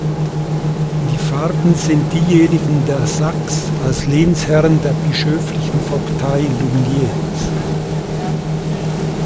Die Farben sind diejenigen der Sax als Lehnsherren der bischöflichen Vogtei Lugnez.